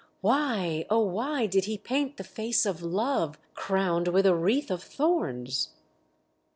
Why, oh why did he paint the face of Love crowned with a wreath of thorns?"